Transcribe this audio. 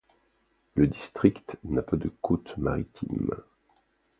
Le district n'a pas de côte maritime.